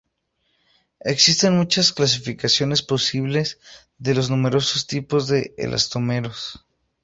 Existen muchas clasificaciones posibles de los numerosos tipos de elastómeros.